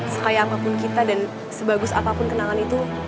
sekaya apapun kita dan sebagus apapun kenangan itu